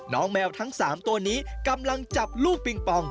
แมวทั้ง๓ตัวนี้กำลังจับลูกปิงปอง